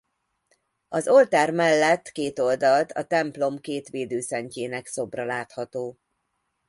Az oltár mellett két oldalt a templom két védőszentjének szobra látható.